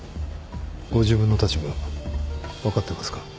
ご自分の立場分かってますか？